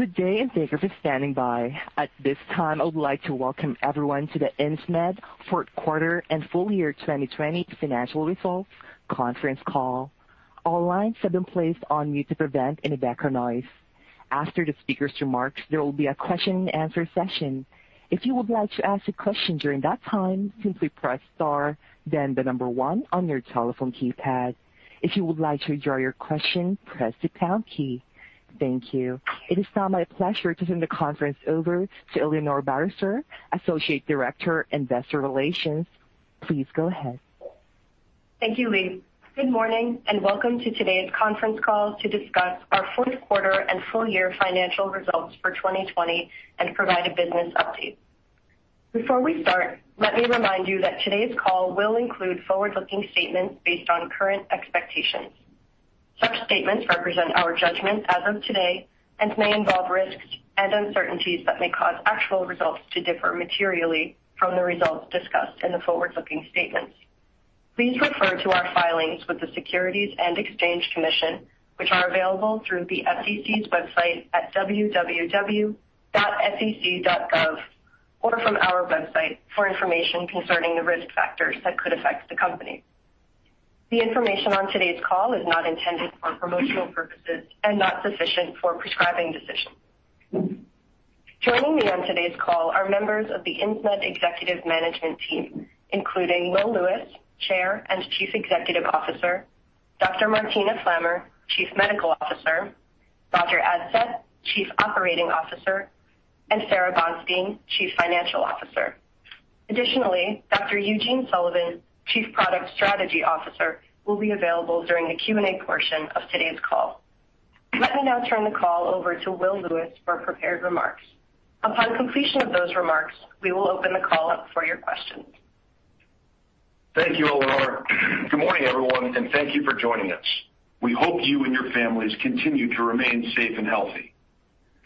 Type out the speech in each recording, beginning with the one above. Good day, and thank you for standing by. At this time, I would like to welcome everyone to the Insmed fourth quarter and full year 2020 financial results conference call. All lines have been placed on mute to prevent any background noise. After the speakers' remarks, there will be a question and answer session. If you would like to ask a question during that time, simply press star then the number one on your telephone keypad. If you would like to withdraw your question, press the pound key. Thank you. It is now my pleasure to turn the conference over to Eleanor Barisser, Associate Director, Investor Relations. Please go ahead. Thank you, Lee. Good morning. Welcome to today's conference call to discuss our fourth quarter and full year financial results for 2020 and provide a business update. Before we start, let me remind you that today's call will include forward-looking statements based on current expectations. Such statements represent our judgment as of today and may involve risks and uncertainties that may cause actual results to differ materially from the results discussed in the forward-looking statements. Please refer to our filings with the Securities and Exchange Commission, which are available through the SEC's website at www.sec.gov or from our website for information concerning the risk factors that could affect the company. The information on today's call is not intended for promotional purposes and not sufficient for prescribing decisions. Joining me on today's call are members of the Insmed executive management team, including Will Lewis, Chair and Chief Executive Officer, Dr. Martina Flammer, Chief Medical Officer, Roger Adsett, Chief Operating Officer, and Sara Bonstein, Chief Financial Officer. Additionally, Dr. Eugene Sullivan, Chief Product Strategy Officer, will be available during the Q&A portion of today's call. Let me now turn the call over to Will Lewis for prepared remarks. Upon completion of those remarks, we will open the call up for your questions. Thank you, Eleanor. Good morning, everyone, and thank you for joining us. We hope you and your families continue to remain safe and healthy.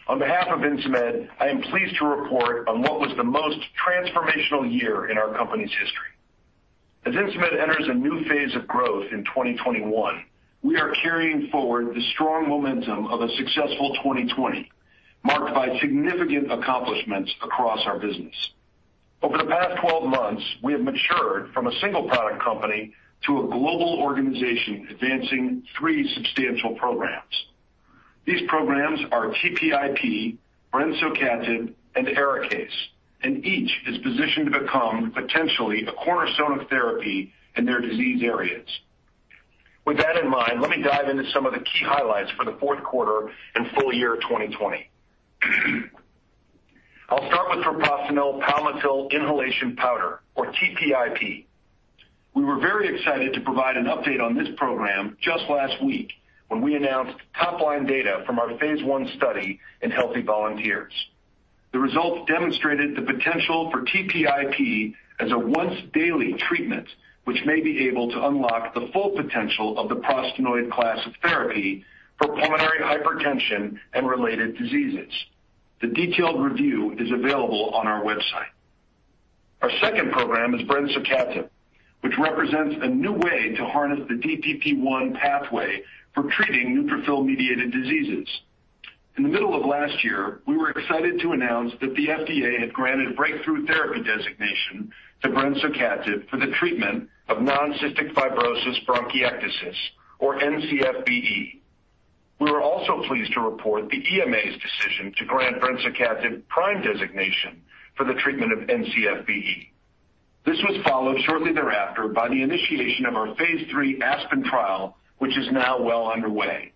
On behalf of Insmed, I am pleased to report on what was the most transformational year in our company's history. As Insmed enters a new phase of growth in 2021, we are carrying forward the strong momentum of a successful 2020, marked by significant accomplishments across our business. Over the past 12 months, we have matured from a single-product company to a global organization advancing three substantial programs. These programs are TPIP, brensocatib, and ARIKAYCE, and each is positioned to become potentially a cornerstone of therapy in their disease areas. With that in mind, let me dive into some of the key highlights for the fourth quarter and full year 2020. I'll start with treprostinil palmitil inhalation powder, or TPIP. We were very excited to provide an update on this program just last week when we announced top-line data from our phase I study in healthy volunteers. The results demonstrated the potential for TPIP as a once-daily treatment, which may be able to unlock the full potential of the prostanoid class of therapy for pulmonary hypertension and related diseases. The detailed review is available on our website. Our second program is brensocatib, which represents a new way to harness the DPP1 pathway for treating neutrophil-mediated diseases. In the middle of last year, we were excited to announce that the FDA had granted breakthrough therapy designation to brensocatib for the treatment of non-cystic fibrosis bronchiectasis, or NCFBE. We were also pleased to report the EMA's decision to grant brensocatib PRIME designation for the treatment of NCFBE. This was followed shortly thereafter by the initiation of our phase III ASPEN trial, which is now well underway.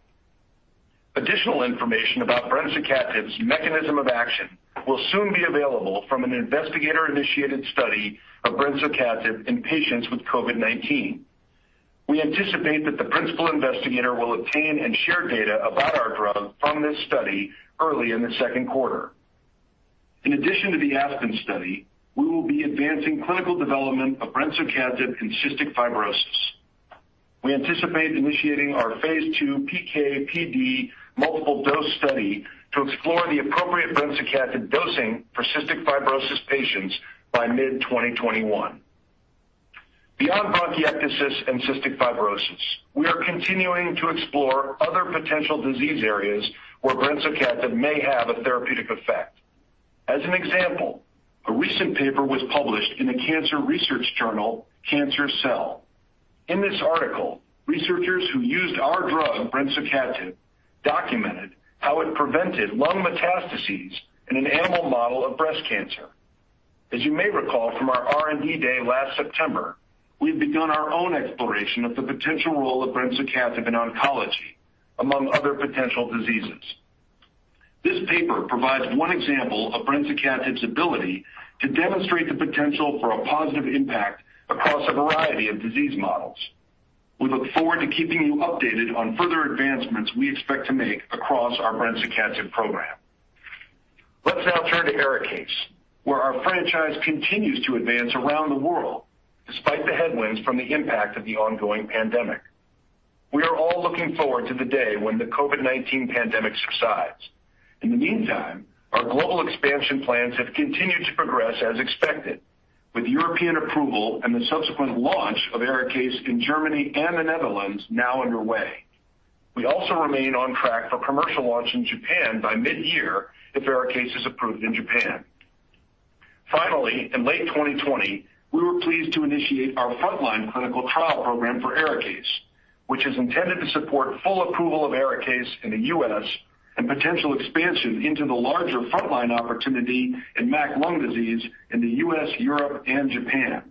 Additional information about brensocatib's mechanism of action will soon be available from an investigator-initiated study of brensocatib in patients with COVID-19. We anticipate that the principal investigator will obtain and share data about our drug from this study early in the second quarter. In addition to the ASPEN study, we will be advancing clinical development of brensocatib in cystic fibrosis. We anticipate initiating our phase II PK/PD multiple dose study to explore the appropriate brensocatib dosing for cystic fibrosis patients by mid 2021. Beyond bronchiectasis and cystic fibrosis, we are continuing to explore other potential disease areas where brensocatib may have a therapeutic effect. As an example, a recent paper was published in the cancer research journal, Cancer Cell. In this article, researchers who used our drug, brensocatib, documented how it prevented lung metastases in an animal model of breast cancer. As you may recall from our R&D day last September, we've begun our own exploration of the potential role of brensocatib in oncology, among other potential diseases. This paper provides one example of brensocatib's ability to demonstrate the potential for a positive impact across a variety of disease models. We look forward to keeping you updated on further advancements we expect to make across our brensocatib program. Let's now turn to ARIKAYCE, where our franchise continues to advance around the world despite the headwinds from the impact of the ongoing pandemic. We are all looking forward to the day when the COVID-19 pandemic subsides. In the meantime, our global expansion plans have continued to progress as expected with European approval and the subsequent launch of ARIKAYCE in Germany and the Netherlands now underway. We also remain on track for commercial launch in Japan by mid-year if ARIKAYCE is approved in Japan. Finally, in late 2020, we were pleased to initiate our frontline clinical trial program for ARIKAYCE, which is intended to support full approval of ARIKAYCE in the U.S. and potential expansion into the larger frontline opportunity in MAC lung disease in the U.S., Europe, and Japan.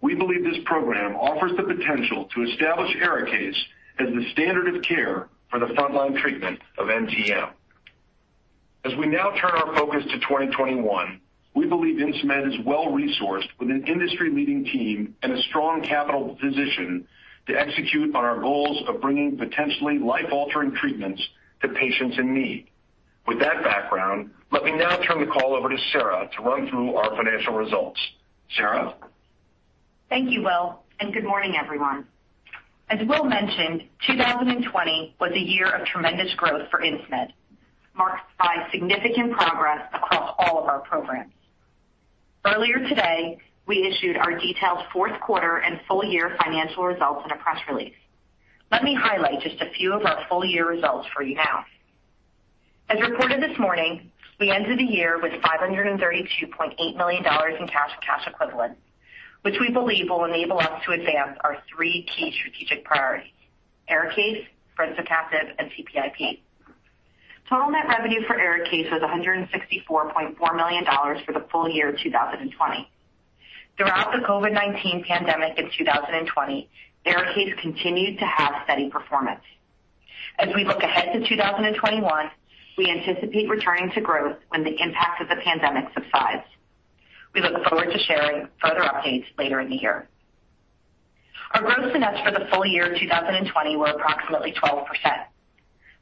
We believe this program offers the potential to establish ARIKAYCE as the standard of care for the frontline treatment of NTM. As we now turn our focus to 2021, we believe Insmed is well-resourced with an industry-leading team and a strong capital position to execute on our goals of bringing potentially life-altering treatments to patients in need. With that background, let me now turn the call over to Sara to run through our financial results. Sara? Thank you, Will, good morning, everyone. As Will mentioned, 2020 was a year of tremendous growth for Insmed, marked by significant progress across all of our programs. Earlier today, we issued our detailed fourth quarter and full year financial results in a press release. Let me highlight just a few of our full year results for you now. As reported this morning, we ended the year with $532.8 million in cash, cash equivalents, which we believe will enable us to advance our three key strategic priorities: ARIKAYCE, brensocatib, and TPIP. Total net revenue for ARIKAYCE was $164.4 million for the full year 2020. Throughout the COVID-19 pandemic in 2020, ARIKAYCE continued to have steady performance. As we look ahead to 2021, we anticipate returning to growth when the impact of the pandemic subsides. We look forward to sharing further updates later in the year. Our gross to nets for the full year 2020 were approximately 12%.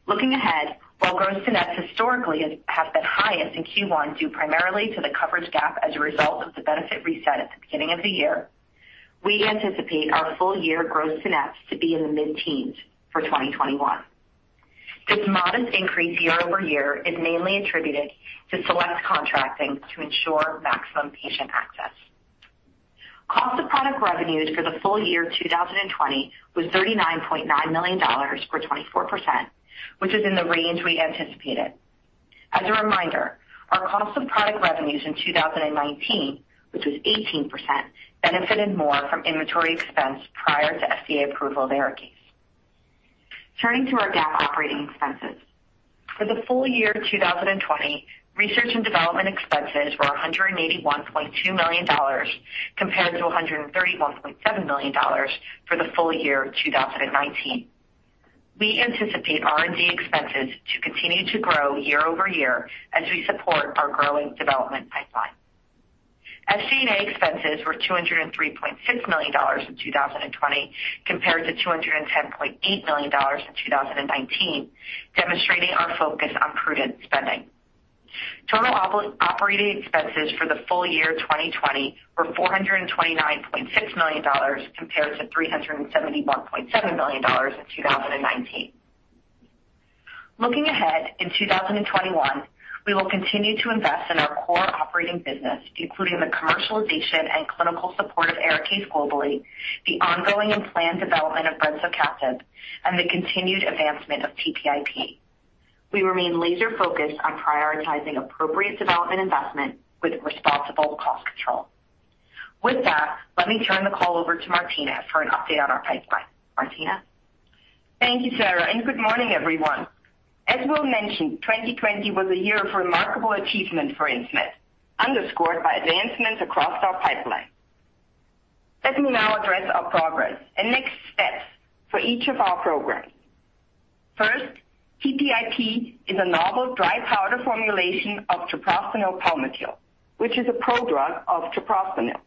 Looking ahead, while gross to nets historically have been highest in Q1 due primarily to the coverage gap as a result of the benefit reset at the beginning of the year, we anticipate our full-year gross to nets to be in the mid-teens for 2021. This modest increase year-over-year is mainly attributed to select contracting to ensure maximum patient access. Cost of product revenues for the full year 2020 was $39.9 million, or 24%, which is in the range we anticipated. As a reminder, our cost of product revenues in 2019, which was 18%, benefited more from inventory expense prior to FDA approval of ARIKAYCE. Turning to our GAAP operating expenses. For the full year 2020, research and development expenses were $181.2 million, compared to $131.7 million for the full year 2019. We anticipate R&D expenses to continue to grow year-over-year as we support our growing development pipeline. SG&A expenses were $203.6 million in 2020 compared to $210.8 million in 2019, demonstrating our focus on prudent spending. Total operating expenses for the full year 2020 were $429.6 million compared to $371.7 million in 2019. Looking ahead, in 2021, we will continue to invest in our core operating business, including the commercialization and clinical support of ARIKAYCE globally, the ongoing and planned development of brensocatib, and the continued advancement of TPIP. We remain laser-focused on prioritizing appropriate development investment with responsible cost control. With that, let me turn the call over to Martina for an update on our pipeline. Martina? Thank you, Sara, good morning, everyone. As Will mentioned, 2020 was a year of remarkable achievement for Insmed, underscored by advancements across our pipeline. Let me now address our progress and next steps for each of our programs. First, TPIP is a novel dry powder formulation of treprostinil palmitil, which is a prodrug of treprostinil.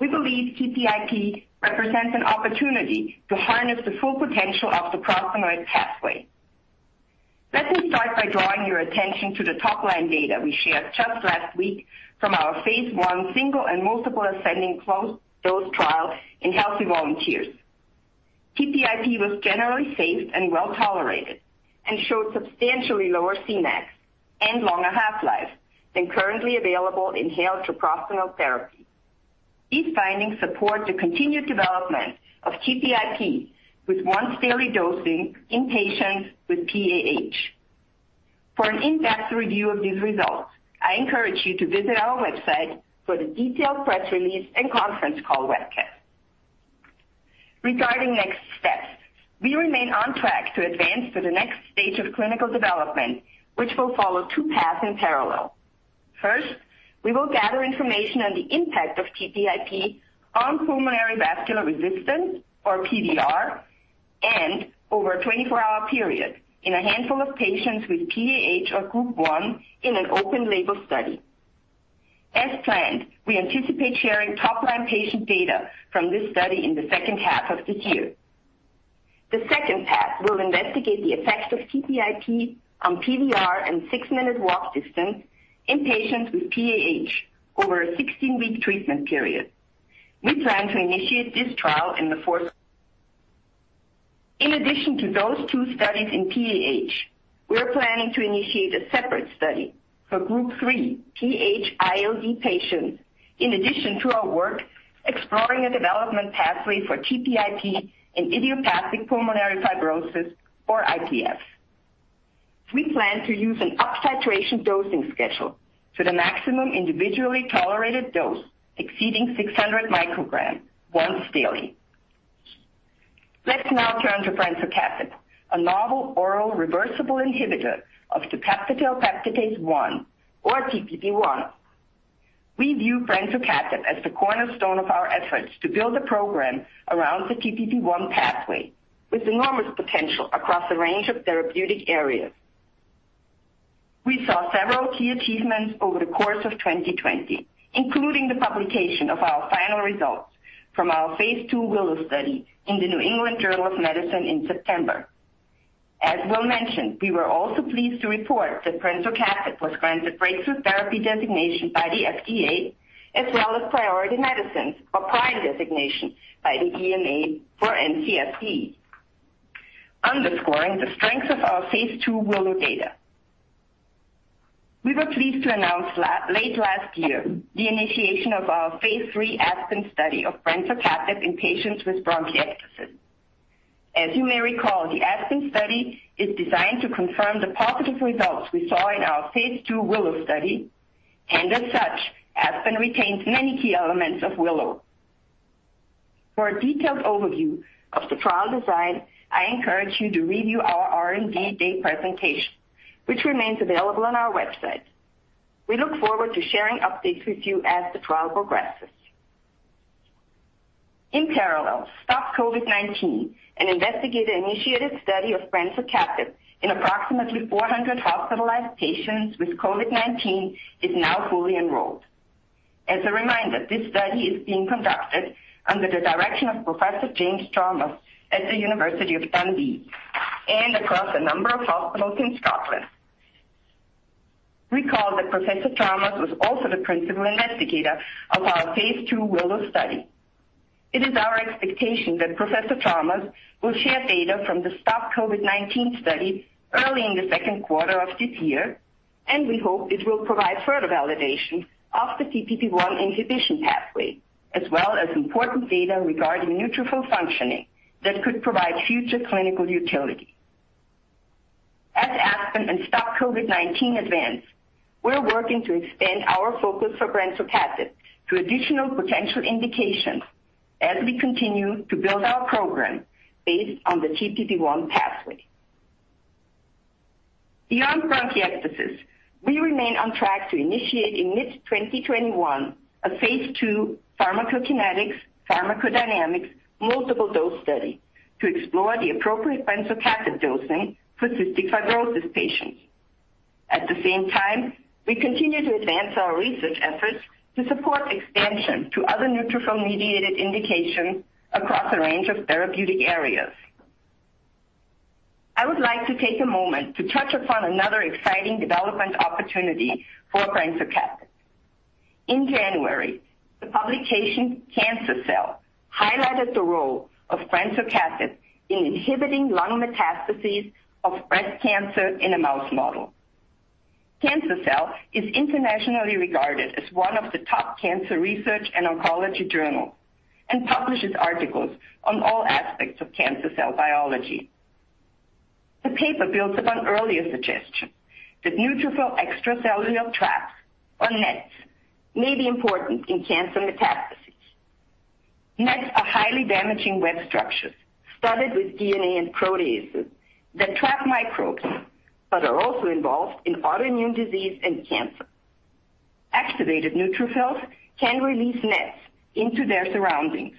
We believe TPIP represents an opportunity to harness the full potential of treprostinil pathway. Let me start by drawing your attention to the top-line data we shared just last week from our phase I single and multiple ascending dose trial in healthy volunteers. TPIP was generally safe and well-tolerated and showed substantially lower Cmax and longer half-life than currently available inhaled treprostinil therapy. These findings support the continued development of TPIP with once-daily dosing in patients with PAH. For an in-depth review of these results, I encourage you to visit our website for the detailed press release and conference call webcast. Regarding next steps, we remain on track to advance to the next stage of clinical development, which will follow two paths in parallel. First, we will gather information on the impact of TPIP on pulmonary vascular resistance, or PVR, and over a 24-hour period in a handful of patients with PAH or Group 1 in an open label study. As planned, we anticipate sharing top-line patient data from this study in the second half of this year. The second path will investigate the effects of TPIP on PVR and six-minute walk distance in patients with PAH over a 16-week treatment period. We plan to initiate this trial in the fourth. In addition to those two studies in PAH, we are planning to initiate a separate study for Group 3 PH-ILD patients, in addition to our work exploring a development pathway for TPIP in idiopathic pulmonary fibrosis or IPF. We plan to use an up-titration dosing schedule for the maximum individually tolerated dose, exceeding 600 mcg once daily. Let's now turn to brensocatib, a novel oral reversible inhibitor of dipeptidyl peptidase 1 or DPP1. We view brensocatib as the cornerstone of our efforts to build a program around the DPP1 pathway, with enormous potential across a range of therapeutic areas. We saw several key achievements over the course of 2020, including the publication of our final results from our phase II WILLOW study in the New England Journal of Medicine in September. As Will mentioned, we were also pleased to report that brensocatib was granted breakthrough therapy designation by the FDA, as well as priority medicines or prime designation by the EMA for NCFBE, underscoring the strength of our phase II WILLOW data. We were pleased to announce late last year the initiation of our phase III ASPEN study of brensocatib in patients with bronchiectasis. As you may recall, the ASPEN study is designed to confirm the positive results we saw in our phase II WILLOW study, and as such, ASPEN retains many key elements of WILLOW. For a detailed overview of the trial design, I encourage you to review our R&D Day presentation, which remains available on our website. We look forward to sharing updates with you as the trial progresses. In parallel, STOP-COVID19, an investigator-initiated study of brensocatib in approximately 400 hospitalized patients with COVID-19, is now fully enrolled. As a reminder, this study is being conducted under the direction of Professor James Chalmers at the University of Dundee and across a number of hospitals in Scotland. Recall that Professor Chalmers was also the principal investigator of our phase II WILLOW study. It is our expectation that Professor Chalmers will share data from the STOP-COVID19 study early in the second quarter of this year, and we hope it will provide further validation of the DPP1 inhibition pathway, as well as important data regarding neutrophil functioning that could provide future clinical utility. As ASPEN and STOP-COVID19 advance, we're working to extend our focus for brensocatib to additional potential indications as we continue to build our program based on the DPP1 pathway. Beyond bronchiectasis, we remain on track to initiate in mid-2021 a phase II pharmacokinetics, pharmacodynamics, multiple dose study to explore the appropriate brensocatib dosing for cystic fibrosis patients. At the same time, we continue to advance our research efforts to support expansion to other neutrophil-mediated indications across a range of therapeutic areas. I would like to take a moment to touch upon another exciting development opportunity for brensocatib. In January, the publication, Cancer Cell, highlighted the role of brensocatib in inhibiting lung metastases of breast cancer in a mouse model. Cancer Cell is internationally regarded as one of the top cancer research and oncology journals and publishes articles on all aspects of cancer cell biology. The paper builds upon earlier suggestions that neutrophil extracellular traps, or NETs, may be important in cancer metastases. NETs are highly damaging web structures studded with DNA and proteases that trap microbes but are also involved in autoimmune disease and cancer. Activated neutrophils can release NETs into their surroundings.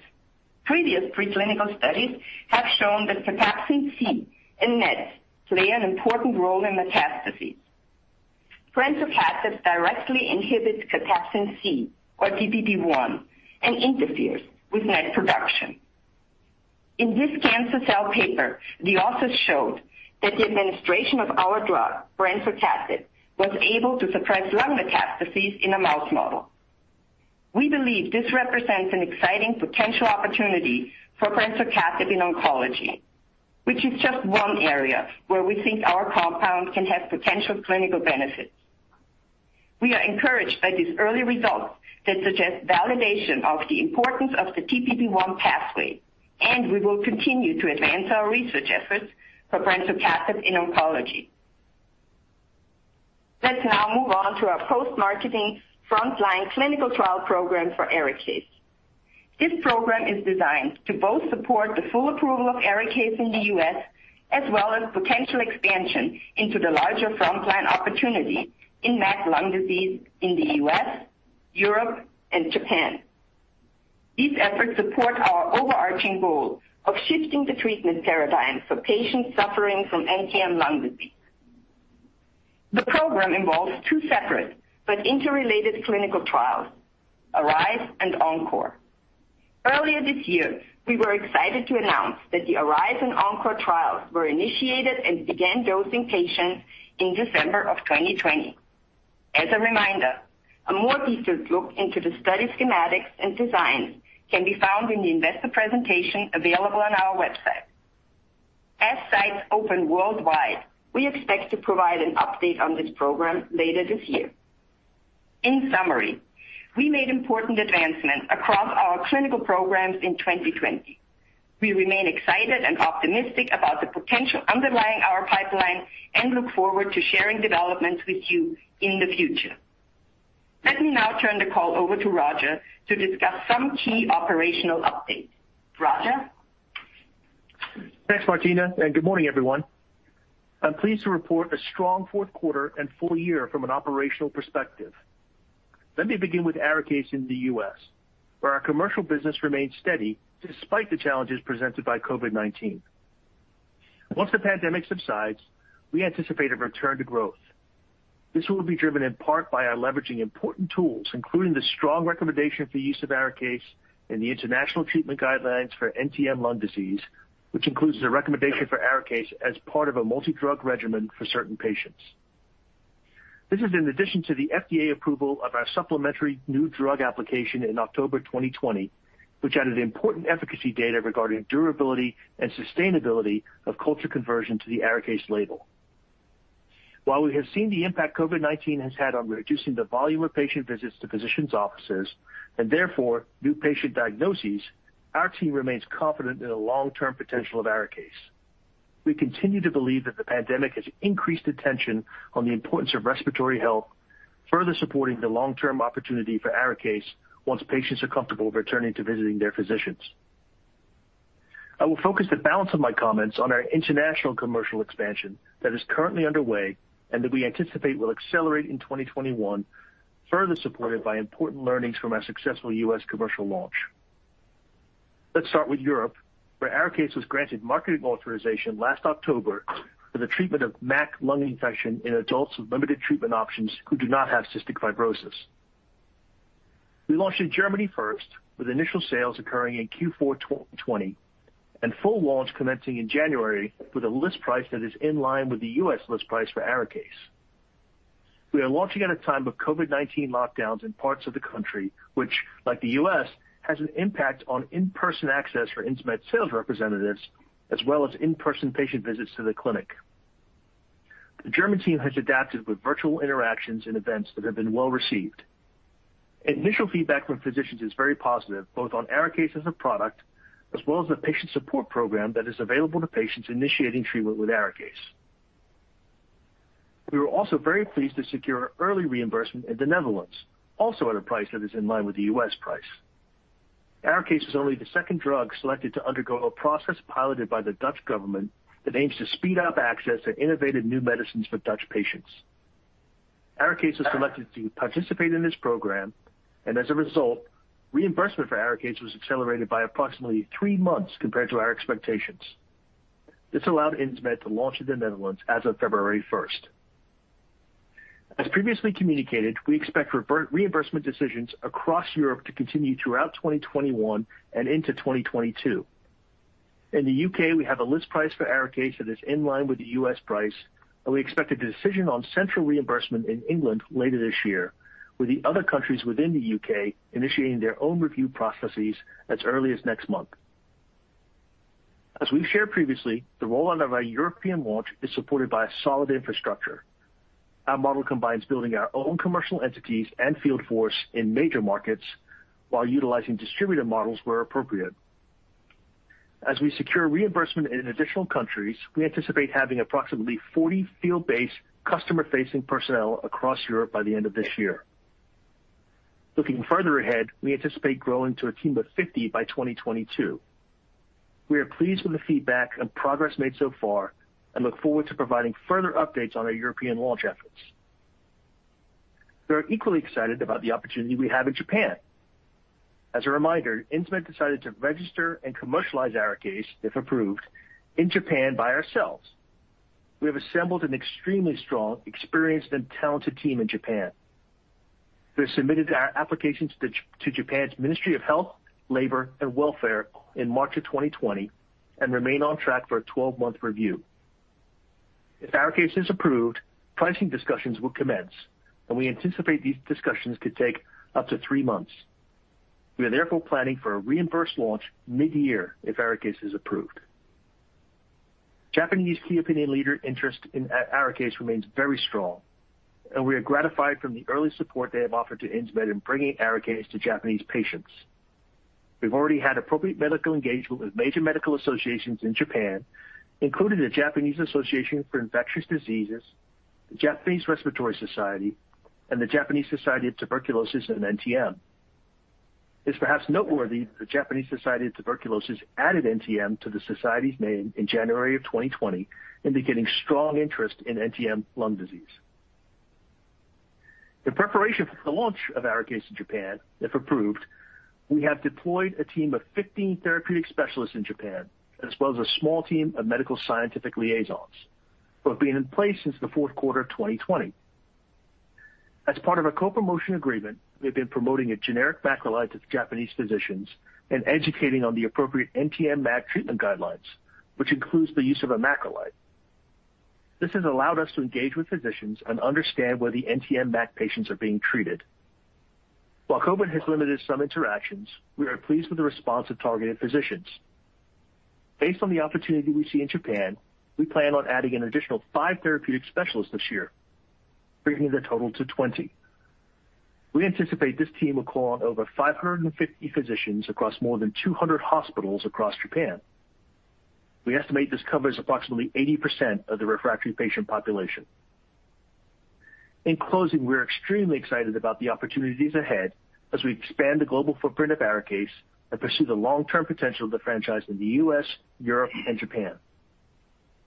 Previous preclinical studies have shown that cathepsin C and NETs play an important role in metastases. Brensocatib directly inhibits cathepsin C or DPP1 and interferes with NET production. In this Cancer Cell paper, the authors showed that the administration of our drug, brensocatib, was able to suppress lung metastases in a mouse model. We believe this represents an exciting potential opportunity for brensocatib in oncology, which is just one area where we think our compound can have potential clinical benefits. We are encouraged by these early results that suggest validation of the importance of the DPP1 pathway, and we will continue to advance our research efforts for brensocatib in oncology. Let's now move on to our post-marketing frontline clinical trial program for ARIKAYCE. This program is designed to both support the full approval of ARIKAYCE in the U.S., as well as potential expansion into the larger frontline opportunity in MAC lung disease in the U.S., Europe, and Japan. These efforts support our overarching goal of shifting the treatment paradigm for patients suffering from NTM lung disease. The program involves two separate but interrelated clinical trials, ARISE and ENCORE. Earlier this year, we were excited to announce that the ARISE and ENCORE trials were initiated and began dosing patients in December of 2020. As a reminder, a more detailed look into the study schematics and designs can be found in the investor presentation available on our website. As sites open worldwide, we expect to provide an update on this program later this year. In summary, we made important advancements across our clinical programs in 2020. We remain excited and optimistic about the potential underlying our pipeline and look forward to sharing developments with you in the future. Let me now turn the call over to Roger to discuss some key operational updates. Roger? Thanks, Martina. Good morning, everyone. I'm pleased to report a strong fourth quarter and full year from an operational perspective. Let me begin with ARIKAYCE in the U.S., where our commercial business remained steady despite the challenges presented by COVID-19. Once the pandemic subsides, we anticipate a return to growth. This will be driven in part by our leveraging important tools, including the strong recommendation for the use of ARIKAYCE in the international treatment guidelines for NTM lung disease, which includes the recommendation for ARIKAYCE as part of a multi-drug regimen for certain patients. This is in addition to the FDA approval of our supplemental new drug application in October 2020, which added important efficacy data regarding durability and sustainability of culture conversion to the ARIKAYCE label. While we have seen the impact COVID-19 has had on reducing the volume of patient visits to physicians' offices, and therefore new patient diagnoses, our team remains confident in the long-term potential of ARIKAYCE. We continue to believe that the pandemic has increased attention on the importance of respiratory health, further supporting the long-term opportunity for ARIKAYCE once patients are comfortable returning to visiting their physicians. I will focus the balance of my comments on our international commercial expansion that is currently underway and that we anticipate will accelerate in 2021, further supported by important learnings from our successful U.S. commercial launch. Let's start with Europe, where ARIKAYCE was granted marketing authorization last October for the treatment of MAC lung infection in adults with limited treatment options who do not have cystic fibrosis. We launched in Germany first, with initial sales occurring in Q4 2020 and full launch commencing in January with a list price that is in line with the U.S. list price for ARIKAYCE. We are launching at a time of COVID-19 lockdowns in parts of the country, which, like the U.S., has an impact on in-person access for Insmed sales representatives, as well as in-person patient visits to the clinic. The German team has adapted with virtual interactions and events that have been well-received. Initial feedback from physicians is very positive, both on ARIKAYCE as a product, as well as the patient support program that is available to patients initiating treatment with ARIKAYCE. We were also very pleased to secure early reimbursement in the Netherlands, also at a price that is in line with the U.S. price. ARIKAYCE is only the second drug selected to undergo a process piloted by the Dutch government that aims to speed up access to innovative new medicines for Dutch patients. ARIKAYCE was selected to participate in this program, and as a result, reimbursement for ARIKAYCE was accelerated by approximately three months compared to our expectations. This allowed Insmed to launch in the Netherlands as of February 1st. As previously communicated, we expect reimbursement decisions across Europe to continue throughout 2021 and into 2022. In the U.K., we have a list price for ARIKAYCE that is in line with the U.S. price, and we expect a decision on central reimbursement in England later this year, with the other countries within the U.K. initiating their own review processes as early as next month. As we've shared previously, the roll-out of our European launch is supported by a solid infrastructure. Our model combines building our own commercial entities and field force in major markets while utilizing distributor models where appropriate. As we secure reimbursement in additional countries, we anticipate having approximately 40 field-based customer-facing personnel across Europe by the end of this year. Looking further ahead, we anticipate growing to a team of 50 by 2022. We are pleased with the feedback and progress made so far and look forward to providing further updates on our European launch efforts. We are equally excited about the opportunity we have in Japan. As a reminder, Insmed decided to register and commercialize ARIKAYCE, if approved, in Japan by ourselves. We have assembled an extremely strong, experienced, and talented team in Japan. We have submitted our application to Japan's Ministry of Health, Labour, and Welfare in March of 2020 and remain on track for a 12-month review. If ARIKAYCE is approved, pricing discussions will commence, and we anticipate these discussions could take up to three months. We are therefore planning for a reimbursed launch mid-year if ARIKAYCE is approved. Japanese key opinion leader interest in ARIKAYCE remains very strong, and we are gratified from the early support they have offered to Insmed in bringing ARIKAYCE to Japanese patients. We've already had appropriate medical engagement with major medical associations in Japan, including The Japanese Association for Infectious Diseases, The Japanese Respiratory Society, and The Japanese Society for Tuberculosis and NTM. It's perhaps noteworthy that The Japanese Society for Tuberculosis added NTM to the society's name in January of 2020, indicating strong interest in NTM lung disease. In preparation for the launch of ARIKAYCE in Japan, if approved, we have deployed a team of 15 therapeutic specialists in Japan, as well as a small team of medical scientific liaisons who have been in place since the fourth quarter of 2020. As part of a co-promotion agreement, we have been promoting a generic macrolide to Japanese physicians and educating on the appropriate NTM MAC treatment guidelines. Which includes the use of a macrolide. This has allowed us to engage with physicians and understand where the NTM MAC patients are being treated. While COVID has limited some interactions, we are pleased with the response of targeted physicians. Based on the opportunity we see in Japan, we plan on adding an additional five therapeutic specialists this year, bringing the total to 20. We anticipate this team will call on over 550 physicians across more than 200 hospitals across Japan. We estimate this covers approximately 80% of the refractory patient population. In closing, we're extremely excited about the opportunities ahead as we expand the global footprint of ARIKAYCE and pursue the long-term potential of the franchise in the U.S., Europe, and Japan.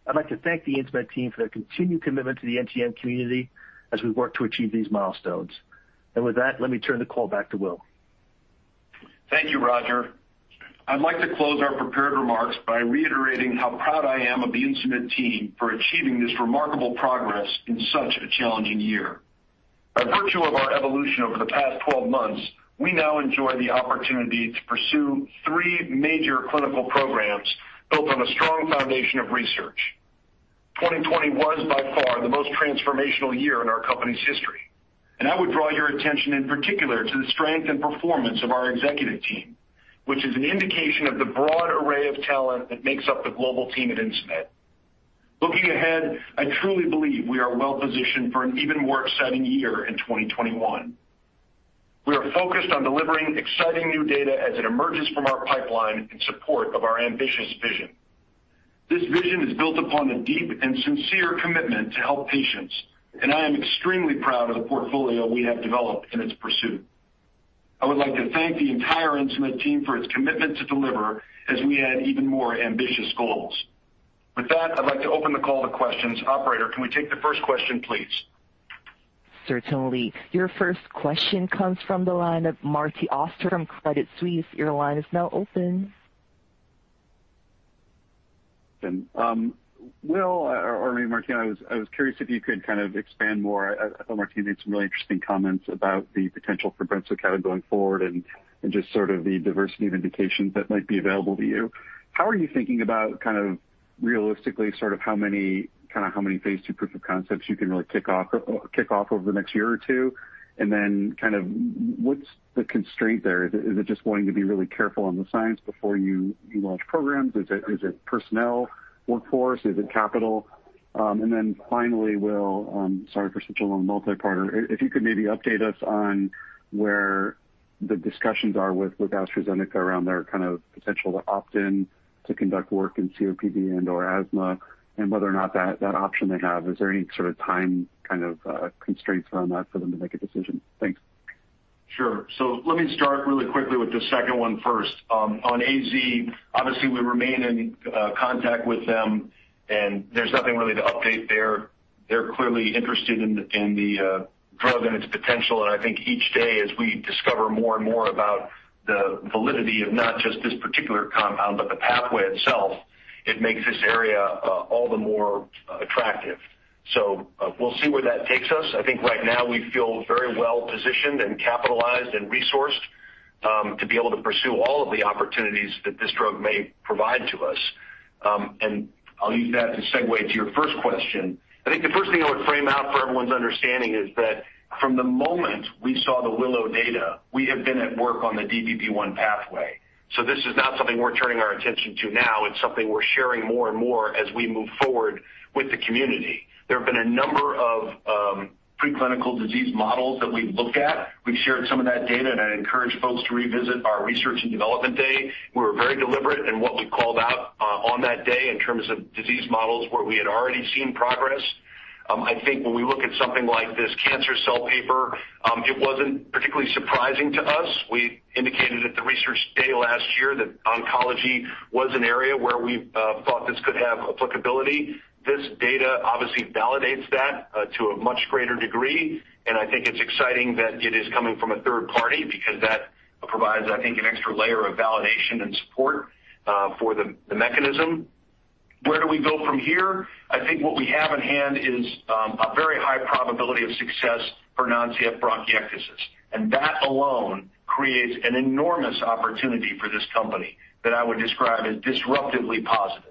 I'd like to thank the Insmed team for their continued commitment to the NTM community as we work to achieve these milestones. With that, let me turn the call back to Will. Thank you, Roger. I'd like to close our prepared remarks by reiterating how proud I am of the Insmed team for achieving this remarkable progress in such a challenging year. By virtue of our evolution over the past 12 months, we now enjoy the opportunity to pursue three major clinical programs built on a strong foundation of research. 2020 was by far the most transformational year in our company's history, and I would draw your attention in particular to the strength and performance of our executive team, which is an indication of the broad array of talent that makes up the global team at Insmed. Looking ahead, I truly believe we are well-positioned for an even more exciting year in 2021. We are focused on delivering exciting new data as it emerges from our pipeline in support of our ambitious vision. This vision is built upon a deep and sincere commitment to help patients, and I am extremely proud of the portfolio we have developed in its pursuit. I would like to thank the entire Insmed team for its commitment to deliver as we add even more ambitious goals. With that, I'd like to open the call to questions. Operator, can we take the first question, please? Certainly. Your first question comes from the line of Martin Auster from Credit Suisse. Your line is now open. Will or maybe Martina, I was curious if you could expand more. I thought Martina made some really interesting comments about the potential for brensocatib going forward and just sort of the diversity of indications that might be available to you. How are you thinking about realistically how many phase II proof of concepts you can really kick off over the next year or two? What's the constraint there? Is it just wanting to be really careful on the science before you launch programs? Is it personnel, workforce? Is it capital? Finally, Will, sorry for such a long multi-parter. If you could maybe update us on where the discussions are with AstraZeneca around their potential to opt in to conduct work in COPD and/or asthma and whether or not that option they have, is there any sort of time constraints around that for them to make a decision? Thanks. Sure. Let me start really quickly with the second one first. On AZ, obviously we remain in contact with them and there's nothing really to update there. They're clearly interested in the drug and its potential, and I think each day as we discover more and more about the validity of not just this particular compound, but the pathway itself, it makes this area all the more attractive. We'll see where that takes us. I think right now we feel very well positioned and capitalized and resourced to be able to pursue all of the opportunities that this drug may provide to us. I'll use that to segue to your first question. I think the first thing I would frame out for everyone's understanding is that from the moment we saw the WILLOW data, we have been at work on the DPP1 pathway. This is not something we're turning our attention to now. It's something we're sharing more and more as we move forward with the community. There have been a number of preclinical disease models that we've looked at. We've shared some of that data, and I encourage folks to revisit our research and development day. We're very deliberate in what we called out on that day in terms of disease models where we had already seen progress. I think when we look at something like this Cancer Cell paper, it wasn't particularly surprising to us. We indicated at the research day last year that oncology was an area where we thought this could have applicability. This data obviously validates that to a much greater degree, and I think it's exciting that it is coming from a third party because that provides, I think, an extra layer of validation and support for the mechanism. Where do we go from here? I think what we have in hand is a very high probability of success for non-CF bronchiectasis, and that alone creates an enormous opportunity for this company that I would describe as disruptively positive.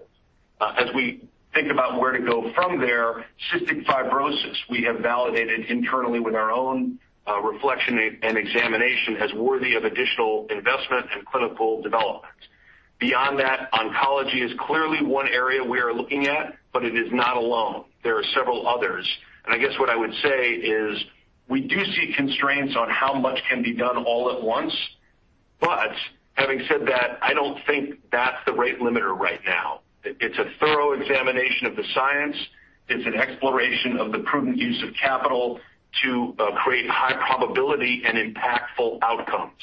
As we think about where to go from there, cystic fibrosis, we have validated internally with our own reflection and examination as worthy of additional investment and clinical development. Beyond that, oncology is clearly one area we are looking at, but it is not alone. There are several others, and I guess what I would say is we do see constraints on how much can be done all at once. Having said that, I don't think that's the rate limiter right now. It's a thorough examination of the science. It's an exploration of the prudent use of capital to create high probability and impactful outcomes.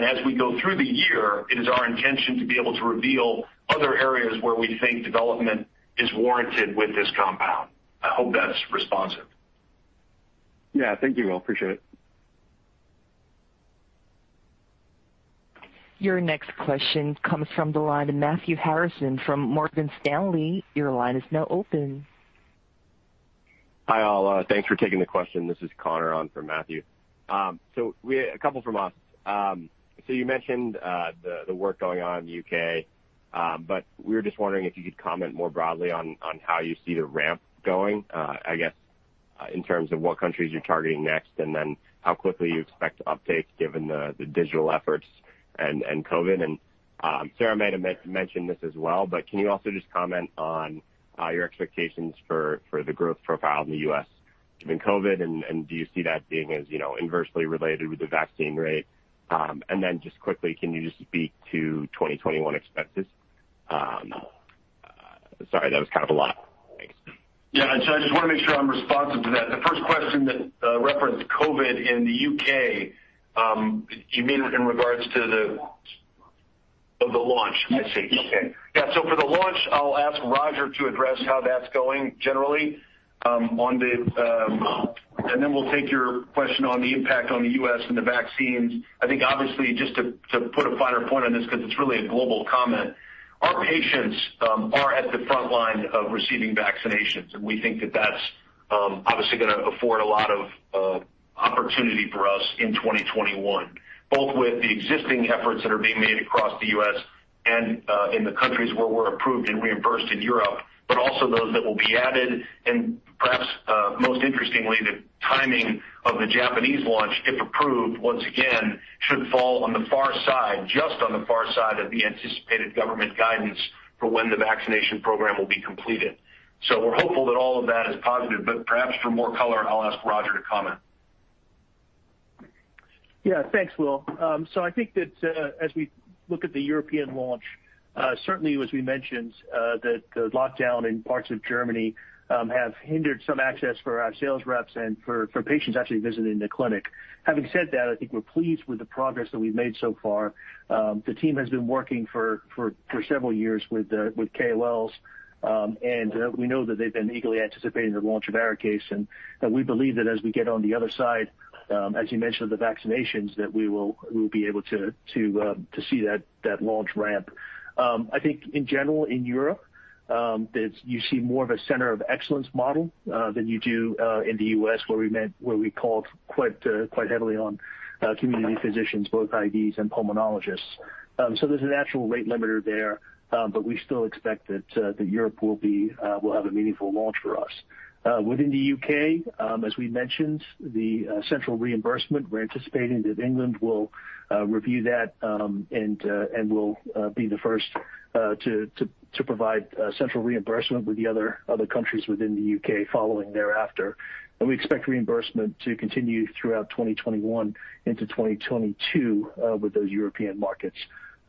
As we go through the year, it is our intention to be able to reveal other areas where we think development is warranted with this compound. I hope that's responsive. Yeah. Thank you, Will. Appreciate it. Your next question comes from the line of Matthew Harrison from Morgan Stanley. Your line is now open. Hi, all. Thanks for taking the question. This is Connor on for Matthew. A couple from us. You mentioned the work going on in the U.K., but we were just wondering if you could comment more broadly on how you see the ramp going, I guess, in terms of what countries you're targeting next, and then how quickly you expect to update given the digital efforts and COVID. Sara may have mentioned this as well, but can you also just comment on your expectations for the growth profile in the U.S. given COVID, and do you see that being as inversely related with the vaccine rate? Just quickly, can you just speak to 2021 expenses? Sorry, that was kind of a lot. Thanks. Yeah. I just want to make sure I'm responsive to that. The first question that referenced COVID in the U.K., you mean in regards to the launch? I see. Yes. Okay. Yeah. For the launch, I'll ask Roger to address how that's going generally. We'll take your question on the impact on the U.S. and the vaccines. I think obviously, just to put a finer point on this because it's really a global comment, our patients are at the frontline of receiving vaccinations, and we think that that's obviously going to afford a lot of opportunity for us in 2021, both with the existing efforts that are being made across the U.S. and in the countries where we're approved and reimbursed in Europe, but also those that will be added. Perhaps most interestingly, the timing of the Japanese launch, if approved, once again, should fall on the far side, just on the far side of the anticipated government guidance for when the vaccination program will be completed. We're hopeful that all of that is positive, but perhaps for more color, I'll ask Roger to comment. Thanks, Will. I think that as we look at the European launch, certainly as we mentioned, the lockdown in parts of Germany have hindered some access for our sales reps and for patients actually visiting the clinic. Having said that, I think we're pleased with the progress that we've made so far. The team has been working for several years with KOLs, we know that they've been eagerly anticipating the launch of ARIKAYCE, we believe that as we get on the other side, as you mentioned, of the vaccinations, that we will be able to see that launch ramp. I think in general in Europe, you see more of a center of excellence model than you do in the U.S., where we called quite heavily on community physicians, both IDs and pulmonologists. There's a natural rate limiter there, but we still expect that Europe will have a meaningful launch for us. Within the U.K., as we mentioned, the central reimbursement, we're anticipating that England will review that and will be the first to provide central reimbursement with the other countries within the U.K. following thereafter. We expect reimbursement to continue throughout 2021 into 2022 with those European markets.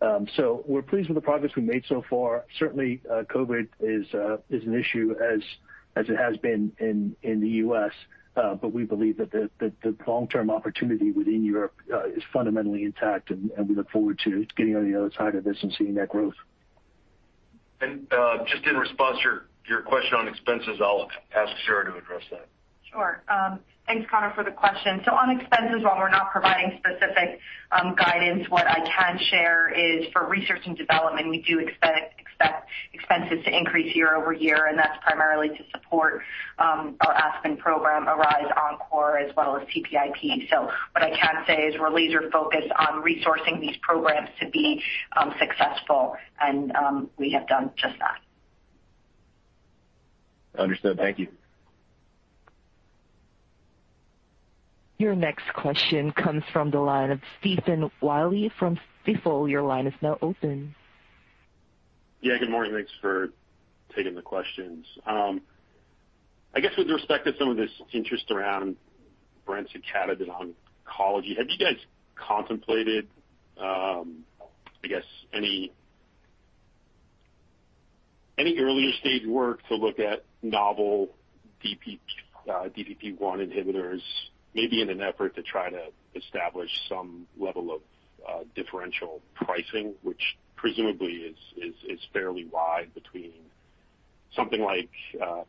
We're pleased with the progress we've made so far. Certainly, COVID is an issue as it has been in the U.S., but we believe that the long-term opportunity within Europe is fundamentally intact, and we look forward to getting on the other side of this and seeing that growth. Just in response to your question on expenses, I'll ask Sara to address that. Sure. Thanks, Connor, for the question. On expenses, while we're not providing specific guidance, what I can share is for research and development, we do expect expenses to increase year-over-year, and that's primarily to support our ASPEN program, ARISE, ENCORE, as well as TPIP. What I can say is we're laser focused on resourcing these programs to be successful, and we have done just that. Understood. Thank you. Your next question comes from the line of Stephen Willey from Stifel. Your line is now open. Yeah. Good morning. Thanks for taking the questions. I guess with respect to some of this interest around brensocatib and oncology, have you guys contemplated, I guess, any earlier stage work to look at novel DPP1 inhibitors, maybe in an effort to try to establish some level of differential pricing, which presumably is fairly wide between something like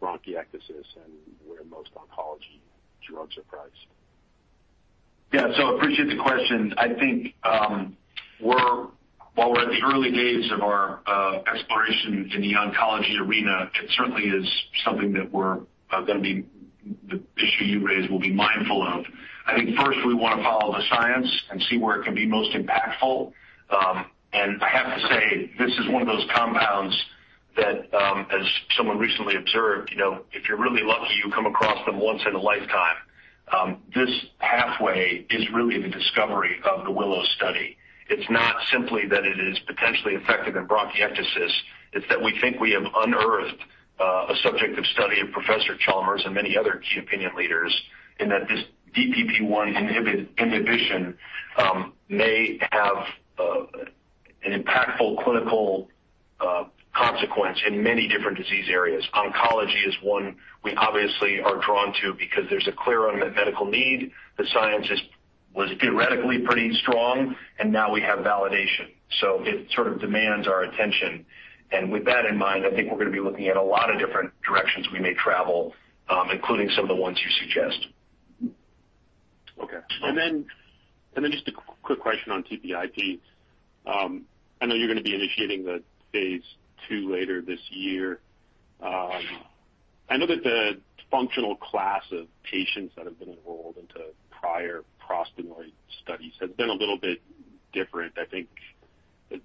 bronchiectasis and where most oncology drugs are priced? Yeah. Appreciate the question. I think while we're at the early days of our exploration in the oncology arena, it certainly is something that the issue you raised we'll be mindful of. I think first we want to follow the science and see where it can be most impactful. I have to say, this is one of those compounds that as someone recently observed, if you're really lucky, you come across them once in a lifetime. This pathway is really the discovery of the WILLOW study. It's not simply that it is potentially effective in bronchiectasis. It's that we think we have unearthed a subject of study of Professor Chalmers and many other key opinion leaders in that this DPP1 inhibition may have an impactful clinical consequence in many different disease areas. Oncology is one we obviously are drawn to because there's a clear unmet medical need. The science was theoretically pretty strong, and now we have validation. It sort of demands our attention. With that in mind, I think we're going to be looking at a lot of different directions we may travel, including some of the ones you suggest. Just a quick question on TPIP. I know you're going to be initiating the phase II later this year. I know that the functional class of patients that have been enrolled into prior prostanoid studies has been a little bit different. I think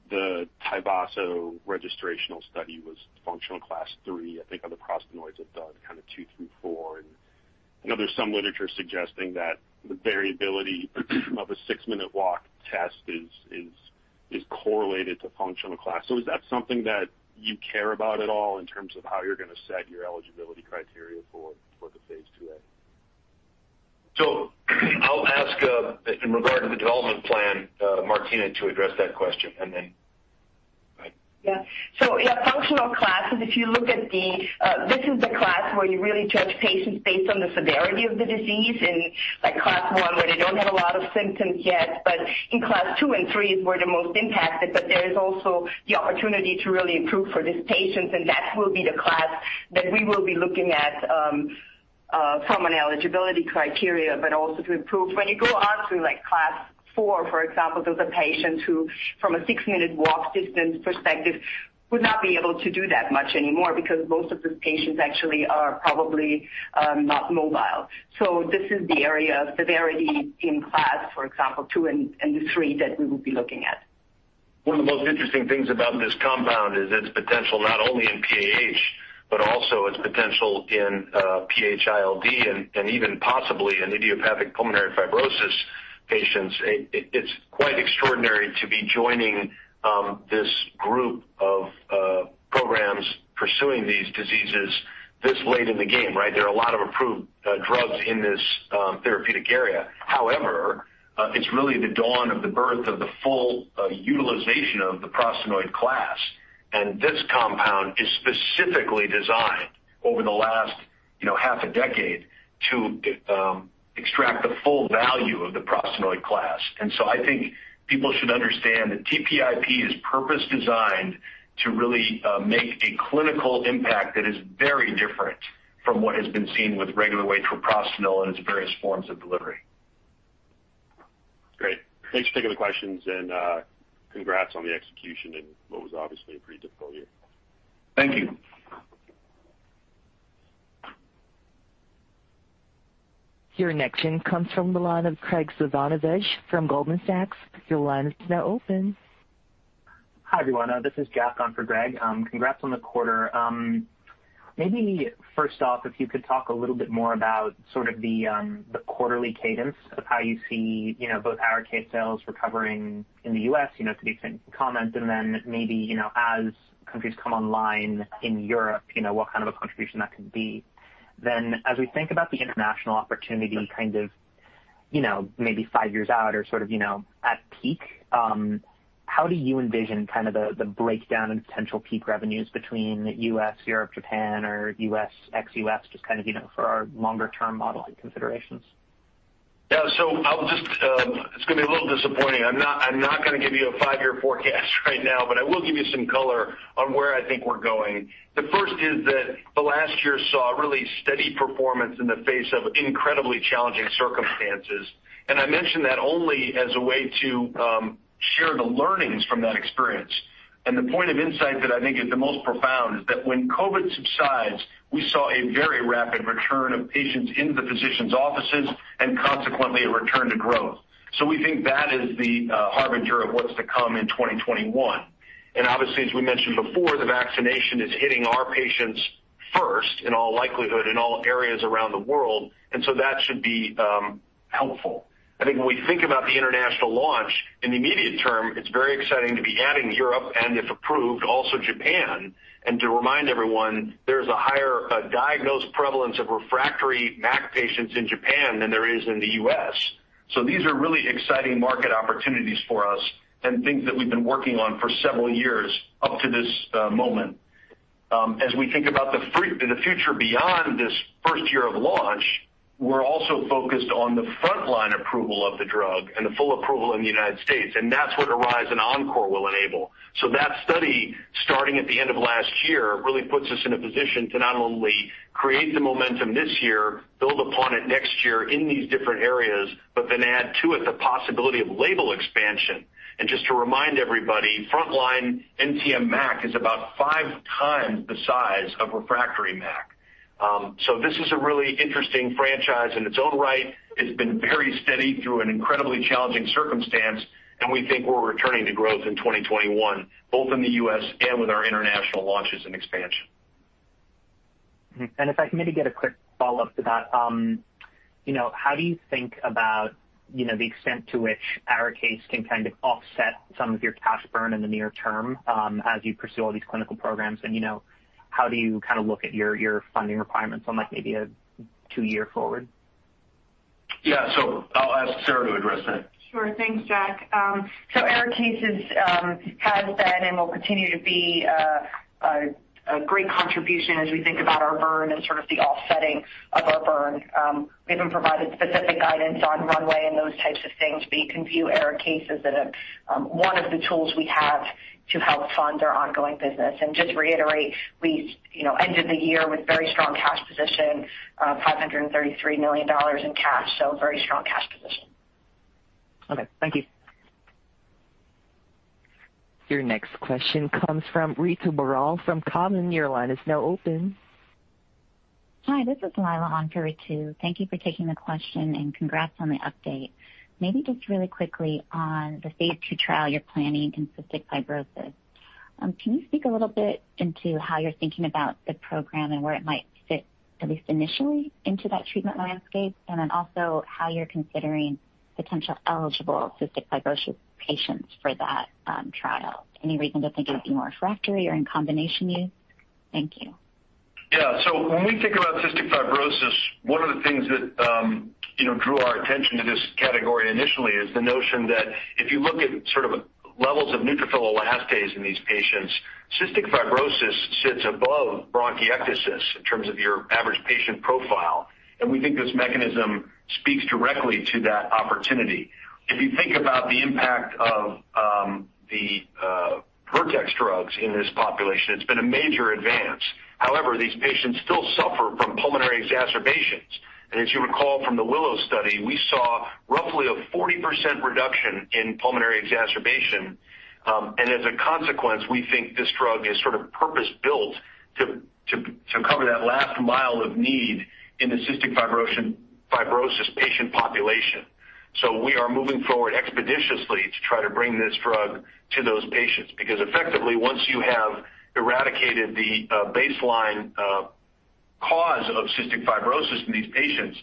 the TYVASO registrational study was functional class three. I think other prostanoids have done kind of two through four. I know there's some literature suggesting that the variability of a six-minute walk test is correlated to functional class. Is that something that you care about at all in terms of how you're going to set your eligibility criteria for the phase II-A? I'll ask, in regard to the development plan, Martina to address that question, and then. Yeah. Yeah, functional classes, this is the class where you really judge patients based on the severity of the disease. In class one, where they don't have a lot of symptoms yet, in class two and three is where they're most impacted, there is also the opportunity to really improve for these patients, that will be the class that we will be looking at from an eligibility criteria, also to improve. When you go on to class four, for example, those are patients who, from a six-minute walk distance perspective, would not be able to do that much anymore because most of these patients actually are probably not mobile. This is the area of severity in class, for example, two and three, that we will be looking at. One of the most interesting things about this compound is its potential not only in PAH, but also its potential in PH-ILD and even possibly in idiopathic pulmonary fibrosis patients. It's quite extraordinary to be joining this group of programs pursuing these diseases this late in the game. There are a lot of approved drugs in this therapeutic area. However, it's really the dawn of the birth of the full utilization of the prostanoid class. This compound is specifically designed over the last half a decade to extract the full value of the prostanoid class. I think people should understand that TPIP is purpose-designed to really make a clinical impact that is very different from what has been seen with regular use of a prostacyclin and its various forms of delivery. Great. Thanks for taking the questions and congrats on the execution in what was obviously a pretty difficult year. Thank you. Your next connection comes from the line of Graig Suvannavejh from Goldman Sachs. Your line is now open. Hi, everyone. This is Jack on for Graig. Congrats on the quarter. Maybe first off, if you could talk a little bit more about sort of the quarterly cadence of how you see both ARIKAYCE sales recovering in the U.S., to the extent you can comment, and then maybe, as countries come online in Europe, what kind of a contribution that could be. As we think about the international opportunity kind of maybe five years out or sort of at peak, how do you envision kind of the breakdown in potential peak revenues between U.S., Europe, Japan, or U.S., ex-U.S., just for our longer-term modeling considerations? Yeah. It's going to be a little disappointing. I'm not going to give you a five-year forecast right now. I will give you some color on where I think we're going. The first is that the last year saw really steady performance in the face of incredibly challenging circumstances. I mention that only as a way to share the learnings from that experience. The point of insight that I think is the most profound is that when COVID subsides, we saw a very rapid return of patients into the physicians' offices and consequently a return to growth. We think that is the harbinger of what's to come in 2021. Obviously, as we mentioned before, the vaccination is hitting our patients first in all likelihood in all areas around the world. That should be helpful. I think when we think about the international launch, in the immediate term, it's very exciting to be adding Europe and if approved, also Japan. To remind everyone, there's a higher diagnosed prevalence of refractory MAC patients in Japan than there is in the U.S. These are really exciting market opportunities for us and things that we've been working on for several years up to this moment. As we think about the future beyond this first year of launch, we're also focused on the frontline approval of the drug and the full approval in the United States, and that's what ARISE and ENCORE will enable. That study, starting at the end of last year, really puts us in a position to not only create the momentum this year, build upon it next year in these different areas, but then add to it the possibility of label expansion. Just to remind everybody, frontline NTM MAC is about 5x the size of refractory MAC. This is a really interesting franchise in its own right. It's been very steady through an incredibly challenging circumstance, and we think we're returning to growth in 2021, both in the U.S. and with our international launches and expansion. If I can maybe get a quick follow-up to that? How do you think about the extent to which ARIKAYCE can kind of offset some of your cash burn in the near term as you pursue all these clinical programs, and how do you look at your funding requirements on maybe a two-year forward? Yeah. I'll ask Sara to address that. Sure. Thanks, Jack. ARIKAYCE has been and will continue to be a great contribution as we think about our burn and sort of the offsetting of our burn. We haven't provided specific guidance on runway and those types of things, but you can view ARIKAYCE as one of the tools we have to help fund our ongoing business. Just to reiterate, we ended the year with a very strong cash position, $533 million in cash. A very strong cash position. Okay. Thank you. Your next question comes from Ritu Baral from Cowen. Your line is now open. Hi, this is Lila on for Ritu. Thank you for taking the question and congrats on the update. Maybe just really quickly on the phase II trial you're planning in cystic fibrosis. Can you speak a little bit into how you're thinking about the program and where it might fit, at least initially, into that treatment landscape? Also how you're considering potential eligible cystic fibrosis patients for that trial. Any reason to think it would be more refractory or in combination use? Thank you. Yeah. When we think about cystic fibrosis, one of the things that drew our attention to this category initially is the notion that if you look at levels of neutrophil elastase in these patients, cystic fibrosis sits above bronchiectasis in terms of your average patient profile. We think this mechanism speaks directly to that opportunity. If you think about the impact of the Vertex drugs in this population, it's been a major advance. However, these patients still suffer from pulmonary exacerbations. As you recall from the WILLOW study, we saw roughly a 40% reduction in pulmonary exacerbation. As a consequence, we think this drug is purpose-built to cover that last mile of need in the cystic fibrosis patient population. We are moving forward expeditiously to try to bring this drug to those patients, because effectively, once you have eradicated the baseline cause of cystic fibrosis in these patients,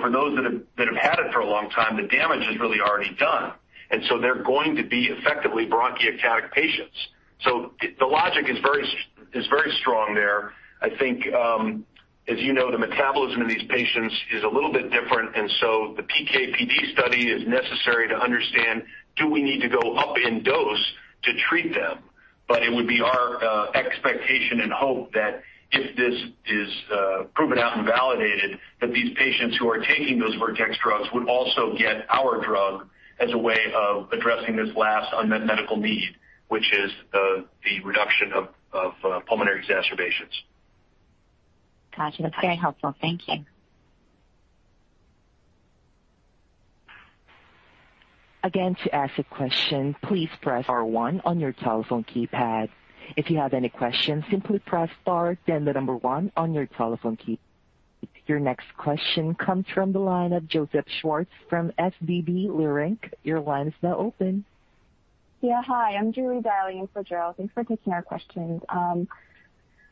for those that have had it for a long time, the damage is really already done. They're going to be effectively bronchiectasis patients. The logic is very strong there. I think, as you know, the metabolism of these patients is a little bit different, the PK/PD study is necessary to understand, do we need to go up in dose to treat them? It would be our expectation and hope that if this is proven out and validated, that these patients who are taking those Vertex drugs would also get our drug as a way of addressing this last unmet medical need, which is the reduction of pulmonary exacerbations. Got you. That's very helpful. Thank you. Again, to ask a question, please press star one on your telephone keypad. If you have any question, simply press star then the number one on your telephone keypad. Your next question comes from the line of Joseph Schwartz from SVB Leerink. Your line is now open. Yeah. Hi, I'm Julie dialing in for Joseph. Thanks for taking our questions.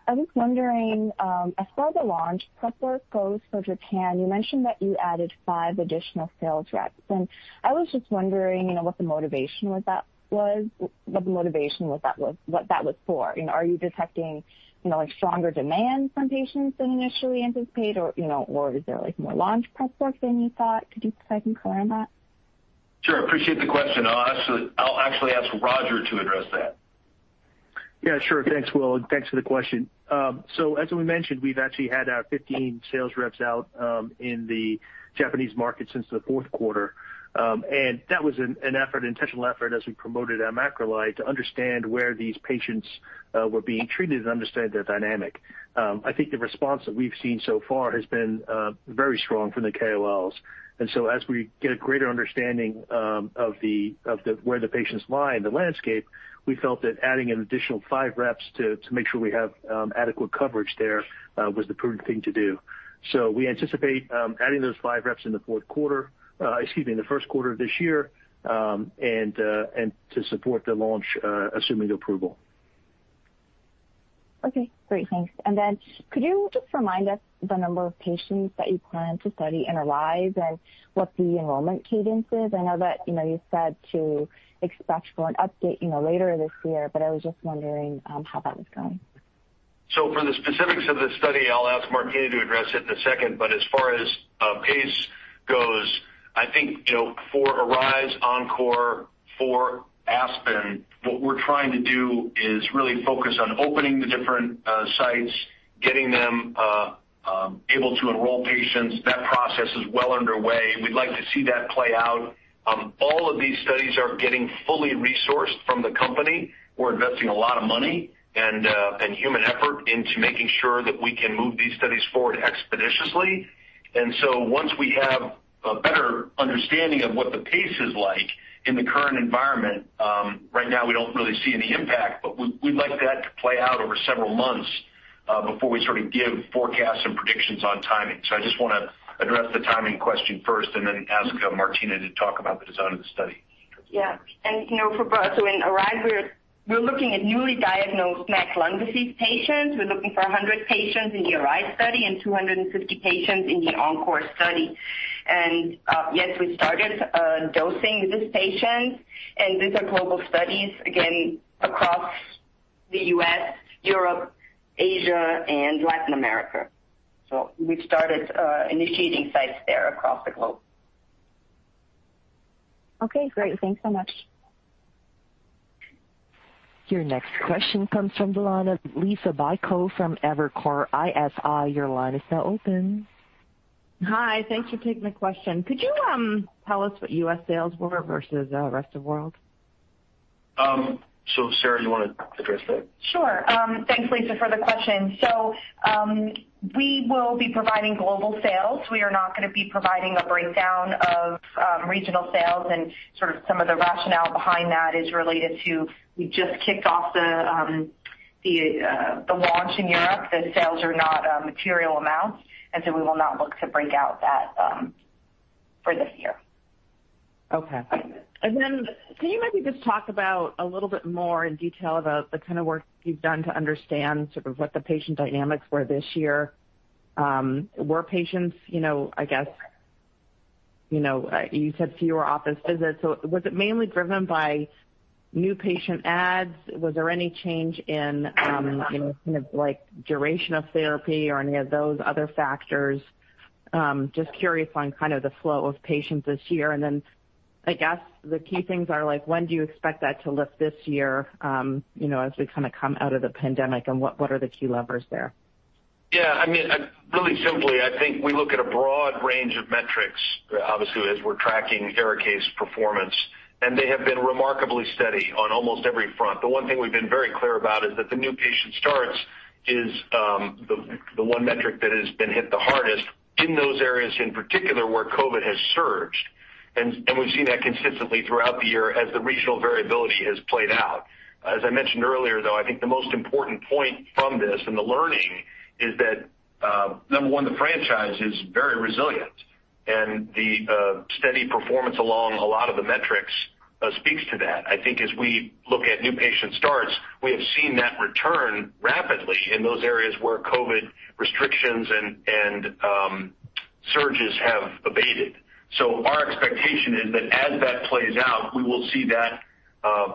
I was wondering, as far as the launch prep work goes for Japan, you mentioned that you added five additional sales reps, and I was just wondering what the motivation with that was, what that was for. Are you detecting stronger demand from patients than initially anticipated, or is there more launch prep work than you thought? Could you provide some color on that? Sure. Appreciate the question. I'll actually ask Roger to address that. Yeah, sure. Thanks, Will, and thanks for the question. As we mentioned, we've actually had our 15 sales reps out in the Japanese market since the fourth quarter. That was an intentional effort as we promoted our macrolide to understand where these patients were being treated and understand their dynamic. I think the response that we've seen so far has been very strong from the KOLs. As we get a greater understanding of where the patients lie in the landscape, we felt that adding an additional five reps to make sure we have adequate coverage there, was the prudent thing to do. We anticipate adding those five reps in the fourth quarter, it's in the first quarter of this year, to support the launch, assuming the approval. Okay, great. Thanks. Could you just remind us the number of patients that you plan to study in ARISE and what the enrollment cadence is? I know that you said to expect for an update later this year, I was just wondering how that was going. For the specifics of the study, I'll ask Martina to address it in a second. As far as pace goes, I think for ARISE, ENCORE, for ASPEN, what we're trying to do is really focus on opening the different sites, getting them able to enroll patients. That process is well underway. We'd like to see that play out. All of these studies are getting fully resourced from the company. We're investing a lot of money and human effort into making sure that we can move these studies forward expeditiously. Once we have a better understanding of what the pace is like in the current environment, right now, we don't really see any impact, but we'd like that to play out over several months, before we give forecasts and predictions on timing. I just want to address the timing question first and then ask Martina to talk about the design of the study. Yeah. For ARISE, we're looking at newly diagnosed MAC lung disease patients. We're looking for 100 patients in the ARISE study and 250 patients in the ENCORE study. Yes, we started dosing these patients, and these are global studies, again, across the U.S., Europe, Asia, and Latin America. We've started initiating sites there across the globe. Okay, great. Thanks so much. Your next question comes from the line of Liisa Bayko from Evercore ISI. Your line is now open. Hi. Thanks for taking the question. Could you tell us what U.S. sales were versus the rest of the world? Sara, you want to address that? Sure. Thanks, Liisa, for the question. We will be providing global sales. We are not going to be providing a breakdown of regional sales and some of the rationale behind that is related to, we just kicked off the launch in Europe. The sales are not material amounts, we will not look to break out that for this year. Okay. Can you maybe just talk about a little bit more in detail about the kind of work you've done to understand sort of what the patient dynamics were this year? Were patients, I guess, you said fewer office visits, was it mainly driven by new patient adds? Was there any change in kind of duration of therapy or any of those other factors? Just curious on kind of the flow of patients this year, I guess the key things are like when do you expect that to lift this year as we come out of the pandemic and what are the key levers there? Really simply, I think we look at a broad range of metrics, obviously, as we're tracking ARIKAYCE performance. They have been remarkably steady on almost every front. The one thing we've been very clear about is that the new patient starts is the one metric that has been hit the hardest in those areas in particular where COVID has surged. We've seen that consistently throughout the year as the regional variability has played out. As I mentioned earlier, though, I think the most important point from this, and the learning is that, number one, the franchise is very resilient and the steady performance along a lot of the metrics speaks to that. As we look at new patient starts, we have seen that return rapidly in those areas where COVID restrictions and surges have abated. Our expectation is that as that plays out, we will see that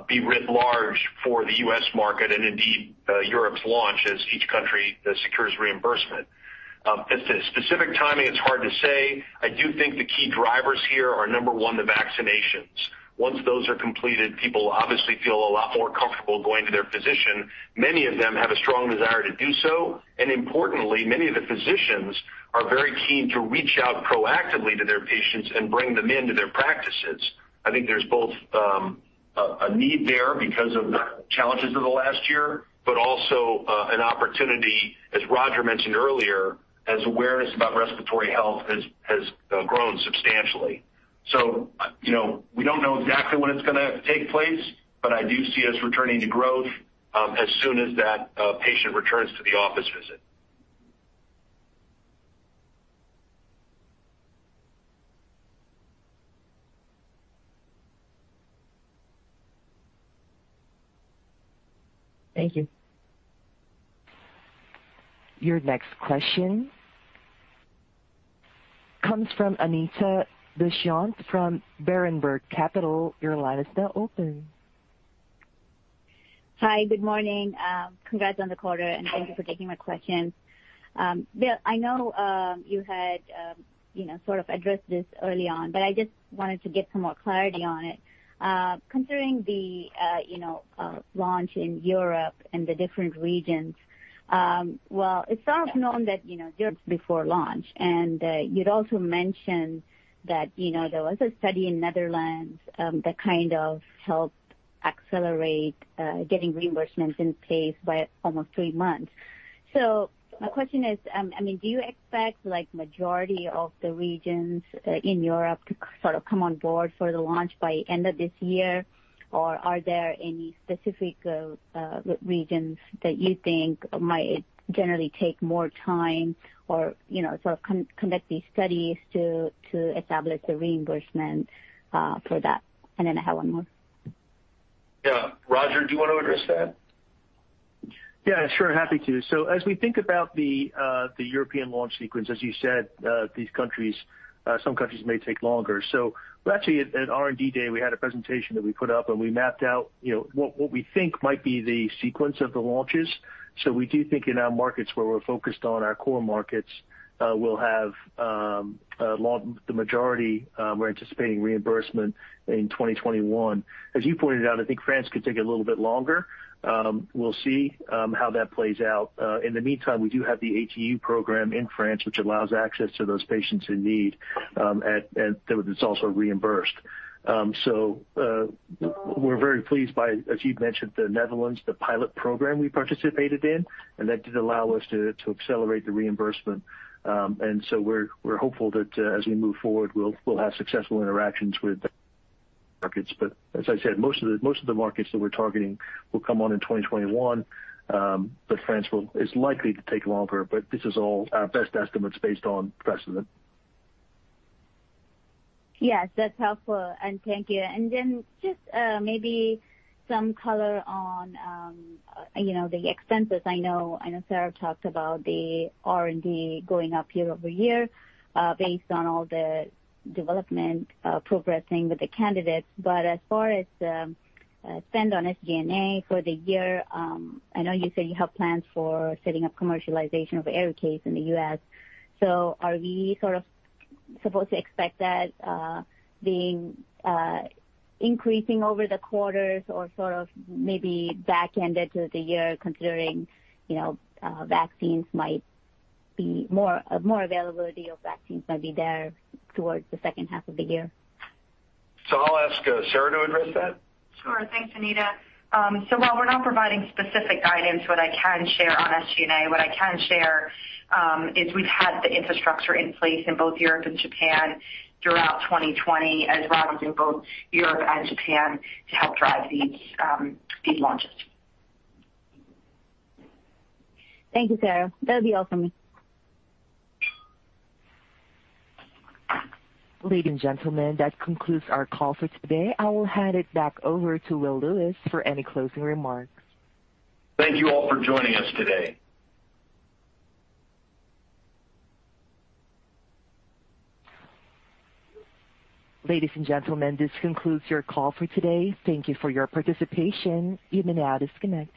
be writ large for the U.S. market and indeed Europe's launch as each country secures reimbursement. As to specific timing, it's hard to say. I do think the key drivers here are, number one, the vaccinations. Once those are completed, people obviously feel a lot more comfortable going to their physician. Many of them have a strong desire to do so, and importantly, many of the physicians are very keen to reach out proactively to their patients and bring them into their practices. I think there's both a need there because of the challenges of the last year, but also an opportunity, as Roger mentioned earlier, as awareness about respiratory health has grown substantially. We don't know exactly when it's going to take place, but I do see us returning to growth as soon as that patient returns to the office visit. Thank you. Your next question comes from Anita Dushyanth from Berenberg Capital. Your line is now open. Hi, good morning. Congrats on the quarter, and thank you for taking my questions. Will, I know you had sort of addressed this early on, but I just wanted to get some more clarity on it, considering the launch in Europe and the different regions. Well, it's always known that before launch, and you'd also mentioned that there was a study in Netherlands that kind of helped accelerate getting reimbursements in place by almost three months. My question is, do you expect majority of the regions in Europe to come on board for the launch by end of this year? Are there any specific regions that you think might generally take more time or conduct these studies to establish the reimbursement for that? I have one more. Yeah. Roger, do you want to address that? Yeah, sure. Happy to. As we think about the European launch sequence, as you said, these countries, some countries may take longer. Actually, at R&D Day, we had a presentation that we put up, and we mapped out what we think might be the sequence of the launches. We do think in our markets where we're focused on our core markets, we'll have the majority. We're anticipating reimbursement in 2021. As you pointed out, I think France could take a little bit longer. We'll see how that plays out. In the meantime, we do have the ATU Program in France, which allows access to those patients in need, and it's also reimbursed. We're very pleased by, as you've mentioned, the Netherlands, the pilot program we participated in, and that did allow us to accelerate the reimbursement. We're hopeful that as we move forward, we'll have successful interactions with markets. As I said, most of the markets that we're targeting will come on in 2021. France is likely to take longer. This is all our best estimates based on precedent. Yes, that's helpful, and thank you. Then just maybe some color on the expenses. I know Sara talked about the R&D going up year-over-year based on all the development progressing with the candidates. As far as spend on SG&A for the year, I know you said you have plans for setting up commercialization of ARIKAYCE in the U.S. Are we sort of supposed to expect that being increasing over the quarters or sort of maybe back-ended to the year, considering vaccines might be more, more availability of vaccines might be there towards the second half of the year? I'll ask Sara to address that. Sure. Thanks, Anita. While we're not providing specific guidance, what I can share on SG&A, what I can share is we've had the infrastructure in place in both Europe and Japan throughout 2020, as well as in both Europe and Japan to help drive these launches. Thank you, Sara. That would be all for me. Ladies and gentlemen, that concludes our call for today. I will hand it back over to Will Lewis for any closing remarks. Thank you all for joining us today. Ladies and gentlemen, this concludes your call for today. Thank you for your participation. You may now disconnect.